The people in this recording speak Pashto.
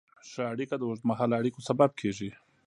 ښه اړیکه د اوږدمهاله اړیکو سبب کېږي.